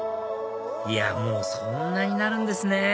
もうそんなになるんですね！